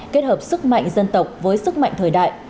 kết hợp sức mạnh dân tộc với sức mạnh thời đại